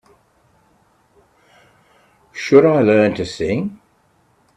Should I learn to sing?